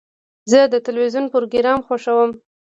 زه د تلویزیون پروګرام خوښوم.